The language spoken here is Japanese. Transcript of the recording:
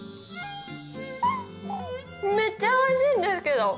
めっちゃおいしいんですけど。